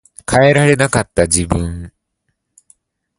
変えられなかった自分